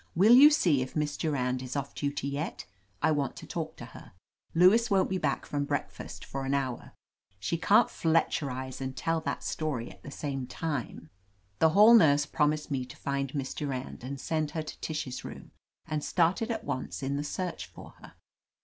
"Will you see if Miss Durand is off duty yet ? I want to talk to her. Lewis won't be back from breakfast for an hour. She can't Fletcherize and tell that story at the same time." The hall nurse promised me to find Miss Du rand and send her to Tish's room, and started at once in the search for her.